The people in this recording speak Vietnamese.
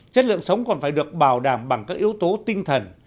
chất lượng sống còn phải được bảo đảm bằng các yếu tố tinh thần